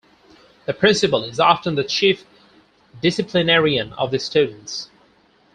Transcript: The principal is often the chief disciplinarian of the students.